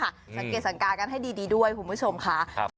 สังเกตสังการกันให้ดีด้วยคุณผู้ชมค่ะ